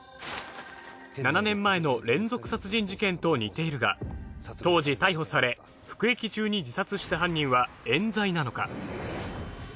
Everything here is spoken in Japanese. ７年前の連続殺人事件と似ているが当時逮捕され服役中に自殺した犯人は冤罪なのか？